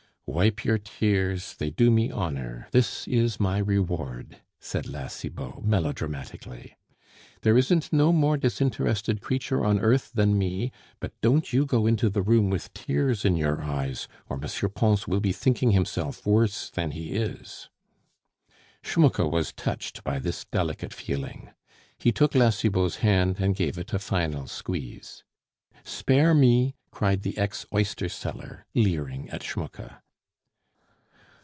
"Wipe your tears; they do me honor; this is my reward," said La Cibot, melodramatically. "There isn't no more disinterested creature on earth than me; but don't you go into the room with tears in your eyes, or M. Pons will be thinking himself worse than he is." Schmucke was touched by this delicate feeling. He took La Cibot's hand and gave it a final squeeze. "Spare me!" cried the ex oysterseller, leering at Schmucke.